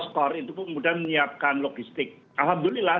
karena mdmc ada juga perwakilan